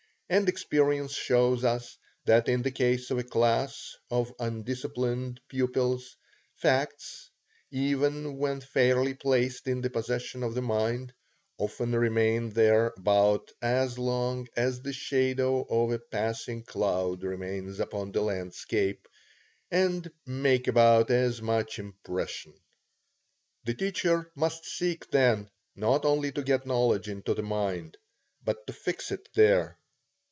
And experience shows us, that in the case of a class of undisciplined pupils, facts, even when fairly placed in the possession of the mind, often remain there about as long as the shadow of a passing cloud remains upon the landscape, and make about as much impression. The teacher must seek, then, not only to get knowledge into the mind, but to fix it there.